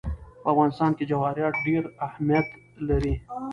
په افغانستان کې جواهرات ډېر اهمیت لري.